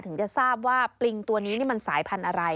ถึงจะทราบว่าปลิงตัวนี้นี่มันสายพันธุ์อะไร